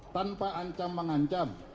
tanpa ancam mengancam